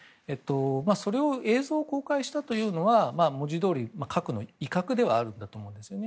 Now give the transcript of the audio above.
それを映像公開したというのは文字どおり、核の威嚇ではあると思うんですよね。